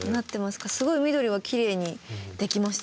すごい緑はきれいにできましたね。